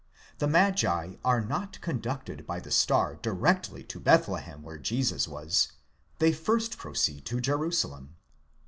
'The magi are not conducted by the star directly to Bethlehem where Jesus was; they first proceed to Jerusalem.